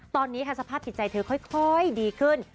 ตอนนี้ค่ะสภาพจิตใจเธอค่อยดีขึ้น